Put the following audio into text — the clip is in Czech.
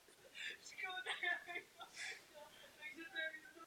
Musíme jí také věnovat pozornost.